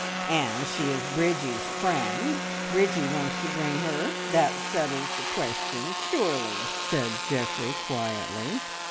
"And she is Bridgie's friend. Bridgie wants to bring her. That settles the question surely!" said Geoffrey quietly.